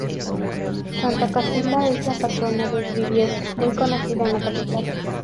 Santa Casilda es la patrona de Briviesca, muy conocida en la capital.